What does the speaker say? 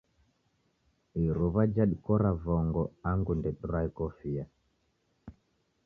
Iruwa jhadikora vongo angu ndedirwae kofia